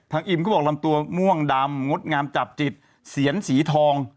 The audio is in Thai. อิ่มก็บอกลำตัวม่วงดำงดงามจับจิตเสียนสีทอง